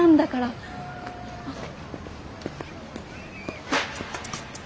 あっ。